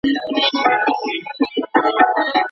نو واک ئې بايد له هغه چا سره وي، چي زغم ئې ډېر وي.